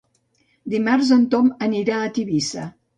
Dimarts en Tom anirà a Tivissa.